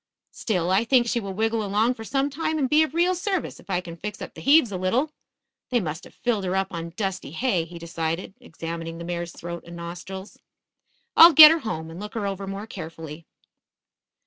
Still, I think she will wiggle along for some time and be of real service if I can fix up the heaves a little. They must have filled her up on dusty hay," he decided, examining the mare's throat and nostrils. "I'll get her home and look her over more carefully."